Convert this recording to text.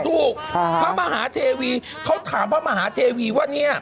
ถูกพระมหาทวีเขาถามพระมหาทวีว่า